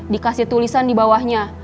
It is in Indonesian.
dikasih tulisan di bawahnya